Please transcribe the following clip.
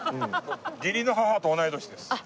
義理の母と同い年です。